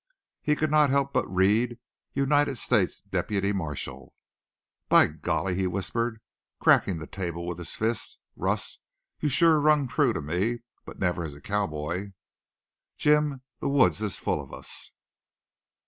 He could not help but read; United States Deputy Marshall. "By golly," he whispered, cracking the table with his fist. "Russ, you sure rung true to me. But never as a cowboy!" "Jim, the woods is full of us!"